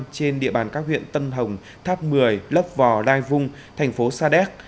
trên địa bàn các huyện tân hồng tháp mười lấp vò đai vung thành phố sa đéc